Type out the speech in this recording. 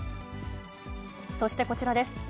そしてこちらです。